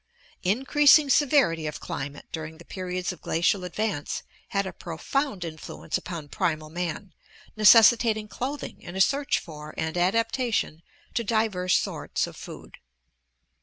Increasing severity of climate during the periods of glacial ad vance had a profound influence upon primal man, necessitating clothing and a search for and adaptation to diverse sorts of food.